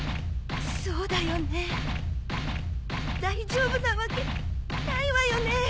そうだよね。